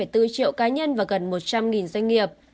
hai bốn triệu cá nhân và gần một trăm linh doanh nghiệp